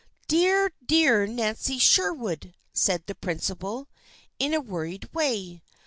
"Dear, dear, Nancy Sherwood," said the principal, in a worried way.